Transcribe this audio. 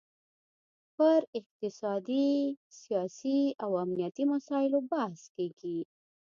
پر اقتصادي، سیاسي او امنیتي مسایلو بحث کیږي